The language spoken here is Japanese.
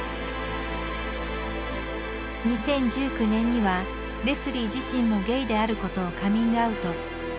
２０１９年にはレスリー自身もゲイであることをカミングアウト。